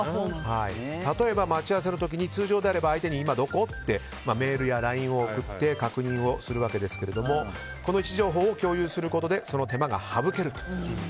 例えば待ち合わせの時に通常であれば相手に今どこ？とメールやＬＩＮＥを送って確認をするわけですがこの位置情報を共有することでその手間が省けると。